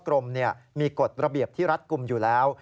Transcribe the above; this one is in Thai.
กรมมีกฎระเบียบที่รัดกลุ่มอยู่แล้ว